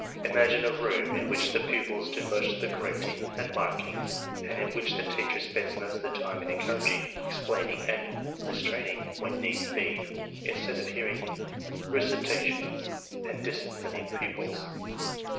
Imagine a room in which the pupils do most of the correcting and marking and in which the teacher spends most of the time in encouraging, explaining, and restraining (when need be) instead of hearing "recita tions " and disciplining pupils.